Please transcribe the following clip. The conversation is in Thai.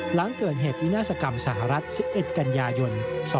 หลังเกิดเหตุวินาศกรรมสหรัฐ๑๑กันยายน๒๕๖